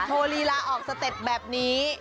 ลีลาออกสเต็ปแบบนี้